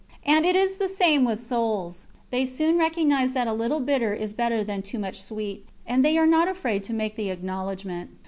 And it is the same with souls: they soon recognise that a little bitter is better than too much sweet, and they are not afraid to make the acknowledgment.